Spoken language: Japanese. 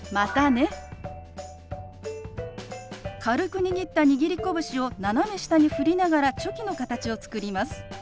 軽く握った握り拳を斜め下に振りながらチョキの形を作ります。